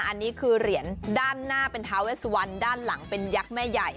อันนี้คือเหรียญด้านหน้าเป็นท้าเวสวันด้านหลังเป็นยักษ์แม่ใหญ่